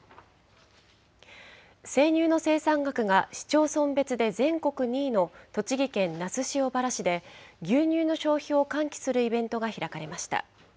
生乳の生産額が市町村別で全国２位の栃木県那須塩原市で、牛乳の消費を喚起するイベントが開かれました。